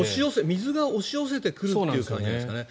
水が押し寄せてくるという感じですかね。